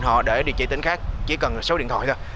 họ để địa chỉ tính khác chỉ cần số điện thoại thôi